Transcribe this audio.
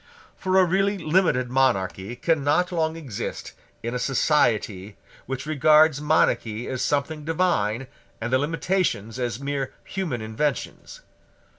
For a really limited monarchy cannot long exist in a society which regards monarchy as something divine, and the limitations as mere human inventions.